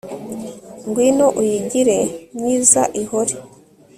ngwino uyigire myiza ihore